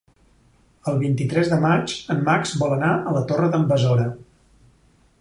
El vint-i-tres de maig en Max vol anar a la Torre d'en Besora.